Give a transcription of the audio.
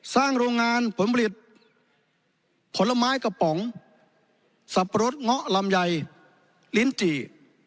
โรงงานผลผลิตผลไม้กระป๋องสับปะรดเงาะลำไยลิ้นจี่